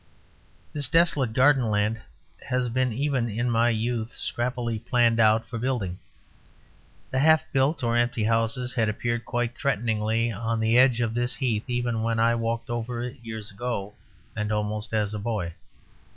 This desolate garden land had been even in my youth scrappily planned out for building. The half built or empty houses had appeared quite threateningly on the edge of this heath even when I walked over it years ago and almost as a boy.